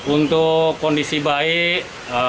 untuk kondisi baik